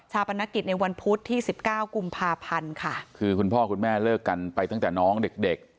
ปนกิจในวันพุธที่สิบเก้ากุมภาพันธ์ค่ะคือคุณพ่อคุณแม่เลิกกันไปตั้งแต่น้องเด็กเด็ก